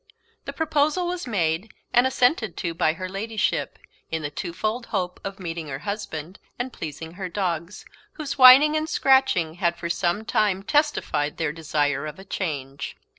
The proposal was made, and assented to by her Ladyship, in the twofold hope of meeting her husband and pleasing her dogs, whose whining and scratching had for some time testified their desire of a change.